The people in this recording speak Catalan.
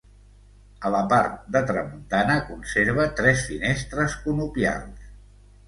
A la part de tramuntana conserva tres finestres conopials.